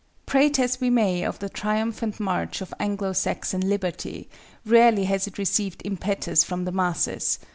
Prate as we may of the triumphant march of Anglo Saxon liberty, rarely has it received impetus from the masses.